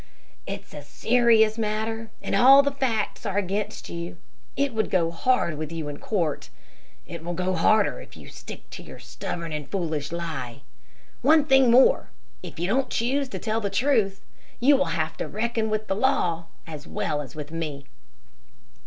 "It's a serious matter; and all the facts are against you. It would go hard with you in court. It will go harder if you stick to your stubborn and foolish lie. One thing more: if you don't choose to tell the truth, you will have to reckon with the law as well as with me."